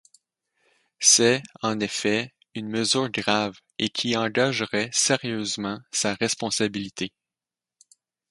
C’est, en effet, une mesure grave et qui engagerait sérieusement sa responsabilité.